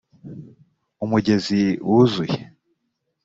umugezi wuzuye